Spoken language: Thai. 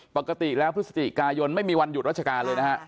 ปกติแล้วพฤศจิกายนไม่มีวันหยุดราชการเลยนะฮะ